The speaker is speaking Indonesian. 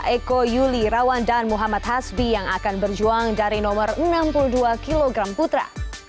eko yuli rawan dan muhammad hasbi yang akan berjuang dari nomor enam puluh dua kg putra